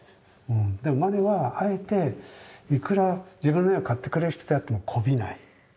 でもマネはあえていくら自分の絵を買ってくれる人であってもこびない。